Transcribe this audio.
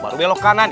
baru belok kanan